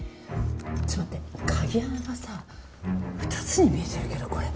ちょっと待って鍵穴がさ２つに見えてるけどこれ。